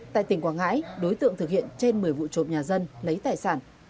tại tỉnh quảng ngãi đối tượng thực hiện trên một mươi vụ trộm nhà dân lấy tài sản